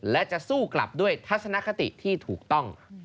และจะสู้กลับด้วยทัศนคติที่ถูกต้อง